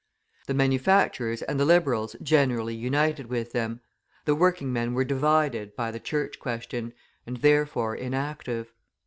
The manufacturers and the Liberals generally united with them, the working men were divided by the Church question, and therefore inactive.